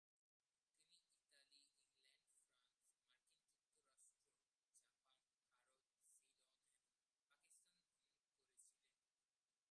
তিনি Italy, England, France, মার্কিন যুক্তরাষ্ট্র, জাপান, ভারত, সিলন এবং পাকিস্তান ভ্রমণ করেছিলেন।